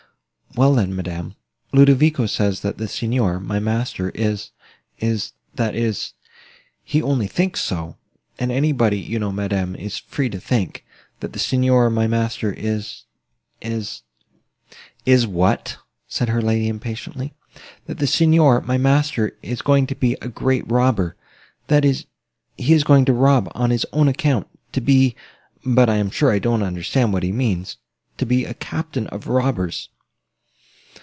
"Well then, madam, Ludovico says, that the Signor, my master, is—is—that is, he only thinks so, and anybody, you know, madam, is free to think—that the Signor, my master, is—is—" "Is what?" said her lady, impatiently. "That the Signor, my master, is going to be—a great robber—that is—he is going to rob on his own account;—to be, (but I am sure I don't understand what he means) to be a—captain of—robbers."